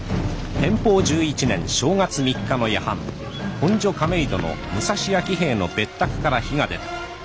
天保１１年正月３日の夜半本所亀戸の武蔵屋喜兵衛の別宅から火が出た。